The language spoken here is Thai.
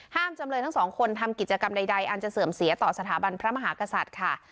จำเลยทั้งสองคนทำกิจกรรมใดอันจะเสื่อมเสียต่อสถาบันพระมหากษัตริย์ค่ะ